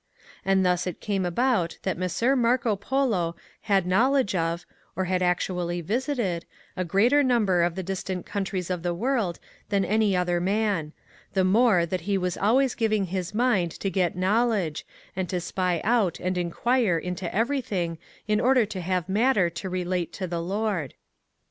And thus it came about that Messer Marco Polo had knowledo e of, or had actuallv visited, a Q reater number of the different countries of the World than any other man ; the more that he was always giving his mind to get knowledge, and to spy out and enquire into every thing in order to have matter to relate to the Lord.